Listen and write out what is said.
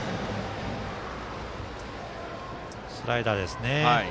スライダーですね。